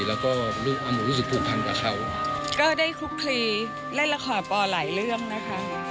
แล้วก็หนูรู้สึกผูกพันกับเขาก็ได้คลุกคลีเล่นละครปอหลายเรื่องนะคะ